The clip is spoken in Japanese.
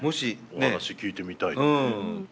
お話聞いてみたいね。